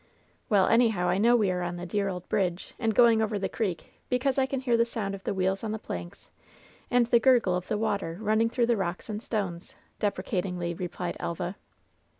"Well, anyhow I know we are on the dear old bridge, and going over the creek, because I can hear the sound of the wheels on the planks and the gurgle of the water running through the rocks and stones,'* deprecatingly replied Elva.